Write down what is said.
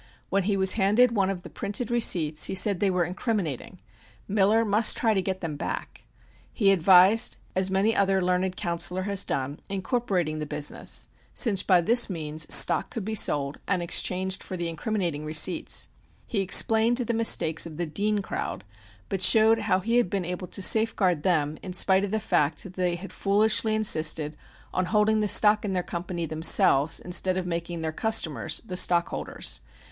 When he was handed one of the printed receipts he said they were "incriminating." Miller must try to get them back. He advised (as many another learned counsellor has done) incorporating the business, since by this means stock could be sold and exchanged for the incriminating receipts. He explained the mistakes of the "Dean crowd," but showed how he had been able to safeguard them in spite of the fact that they had foolishly insisted on holding the stock in their company themselves instead of making their customers the stockholders.